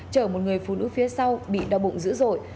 chở một người phụ nữ phía sau bị đau bụng dữ dội